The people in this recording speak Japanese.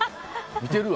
見てるわ！